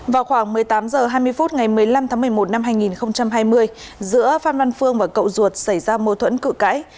vào khoảng một mươi tám h hai mươi phút ngày một mươi năm tháng một mươi một năm hai nghìn hai mươi giữa phan văn phương và cậu ruột xảy ra mâu thuẫn cự cãi